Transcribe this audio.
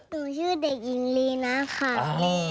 สูวิชื่อเดคนนี้นะคะ